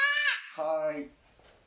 はい。